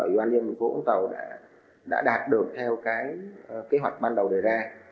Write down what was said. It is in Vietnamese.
doanh nghiệp của vũng tàu đã đạt được theo cái kế hoạch ban đầu đề ra